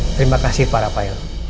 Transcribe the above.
terima kasih pak rafael